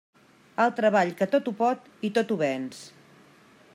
El treball que tot ho pot i tot ho venç.